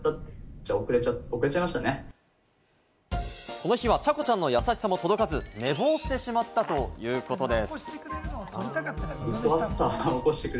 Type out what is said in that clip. この日は茶子ちゃんの優しさも届かず、寝坊してしまったということです。